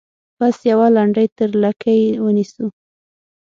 بس یوه لنډۍ تر لکۍ ونیسو.